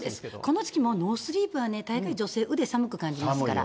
この時期もう、ノースリーブは、大概、女性、腕寒く感じますから。